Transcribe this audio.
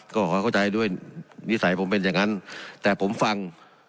ก็ขอเข้าใจด้วยนิสัยผมเป็นอย่างนั้นแต่ผมฟัง